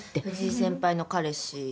藤井先輩の彼氏。